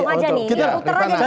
oke jadi saya langsung aja nih